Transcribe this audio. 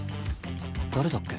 誰だっけ？